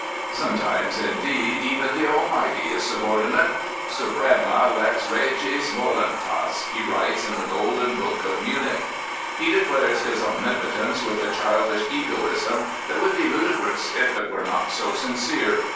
Sometimes, indeed, even 65 Prophets, Priests, and Kings the Almighty is subordinate " Suprema lex regis tolunfas, he writes in the Golden Book of Munich. He declares his omnipotence with a childish egoism that would be ludicrous if it were not so sincere.